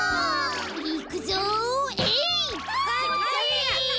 いくぞえい！